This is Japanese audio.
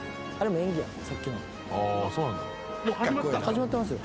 始まってますよ。